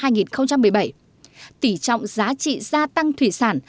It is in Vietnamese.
tỷ trọng giá trị gia tăng thủy sản